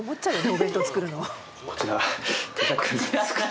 お弁当作るの。